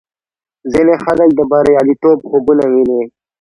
ځینې خلک د بریالیتوب خوبونه ویني.